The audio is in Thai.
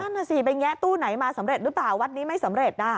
น่ะสิไปแงะตู้ไหนมาสำเร็จหรือเปล่าวัดนี้ไม่สำเร็จ